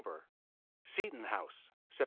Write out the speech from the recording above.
Seaton House Sept.